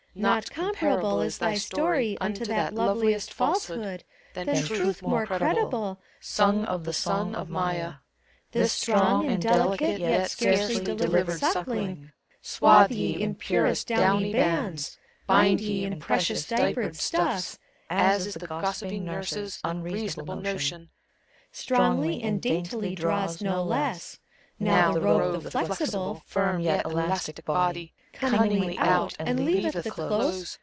Not comparable is thy story Unto that loveliest falsehood, Than Truth more credible, Sung of the Son of Maial This strong and delicate, yet Scarcely delivered suckling, Swathe ye in purest downy bands, Bind ye in precious diapered stnfCs, As is the gossiping nurse's Unreasonable notion! Strongly and daintily draws, no less. Now the rogue the flexible. Firm yet elastic body Cunningly out, and leaveth the close.